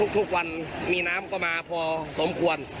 ทุกวันมีน้ำก็มาพอสมควร